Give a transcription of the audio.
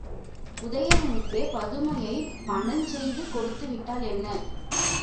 உதயணனுக்கே பதுமையை மணஞ்செய்து கொடுத்துவிட்டால் என்ன?